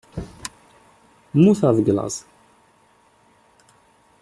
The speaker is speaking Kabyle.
Mmuteɣ deg laẓ.